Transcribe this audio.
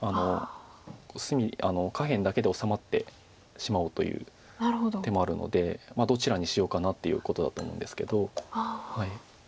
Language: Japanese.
隅下辺だけで治まってしまおうという手もあるのでどちらにしようかなっていうことだと思うんですけど。